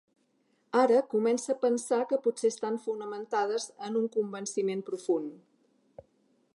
Ara comença a pensar que potser estan fonamentades en un convenciment profund.